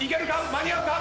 間に合うか？